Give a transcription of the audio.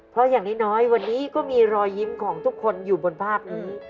เพราะอย่างน้อยวันนี้ก็มีรอยยิ้มของทุกคนอยู่บนภาพนี้